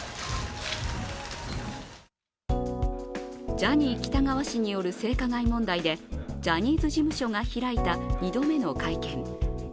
ジャニー喜多川氏による性加害問題でジャニーズ事務所が開いた２度目の会見。